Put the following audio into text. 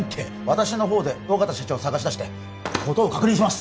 私の方で緒方社長を捜し出して事を確認します